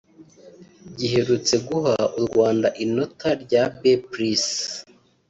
giherutse guha u Rwanda inota rya ‘B+’